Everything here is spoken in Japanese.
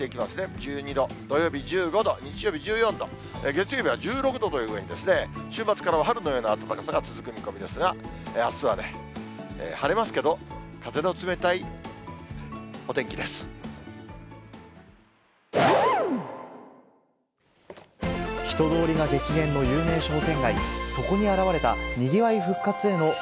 １２度、土曜日１５度、日曜日１４度、月曜日は１６度というふうに、週末からは春のような暖かさが続く見込みですが、あすは晴れますけど、風の冷たいまあＰＳＢはイクとしてイクとして？